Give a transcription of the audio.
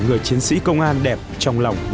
người chiến sĩ công an đẹp trong lòng nhân dân